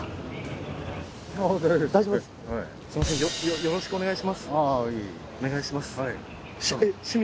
よろしくお願いします。